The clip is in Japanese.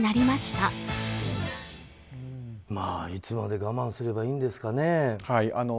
まあ、いつまで我慢すればいいんですかね。